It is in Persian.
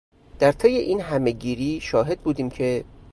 در طی این همهگیری شاهد بودیم که